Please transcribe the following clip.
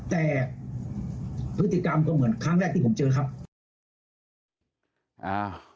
แต่พฤติกรรมก็เหมือนครั้งแรกที่ผมเจอครับอ่า